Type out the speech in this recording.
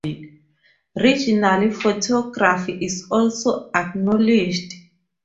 Regional photography is also acknowledged.